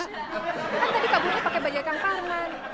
kan tadi kaburnya pake bajak kang parman